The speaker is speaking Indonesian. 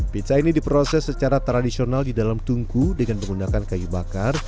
pizza ini diproses secara tradisional di dalam tungku dengan menggunakan kayu bakar